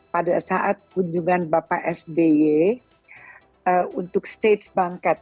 pada saat kunjungan bapak sby untuk states banket